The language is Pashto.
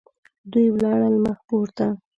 دوی ولاړل مخ پورته.